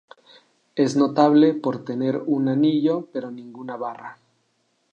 Es notable por tener un anillo pero ninguna barra.